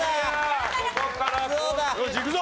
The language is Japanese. よしいくぞ！